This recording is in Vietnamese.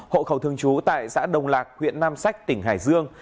hộ khẩu thường trú tại xã đồng lạc huyện nam sách tỉnh hải dương